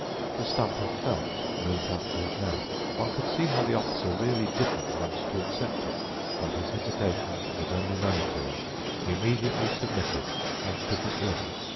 The stump of felt moved up to his mouth. One could see how the Officer really didn't want to accept it, but his hesitation was only momentary—he immediately submitted and took it in.